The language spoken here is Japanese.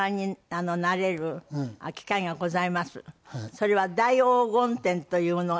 それは「大黄金展」というのが。